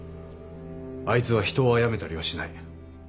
あいつは人をあやめたりはしない。